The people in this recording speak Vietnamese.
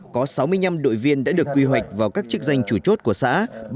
có sáu mươi năm đội viên đã được quy hoạch vào các chức danh chủ chốt của xã